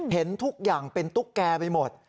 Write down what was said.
เห็นทุกอย่างเป็นตุ๊กแกไปหมด